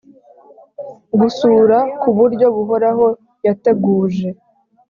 gusura ku buryo buhoraho yateguje